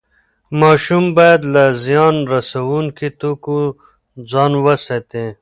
ماشوم باید له زیان رسوونکي توکیو ځان وساتي.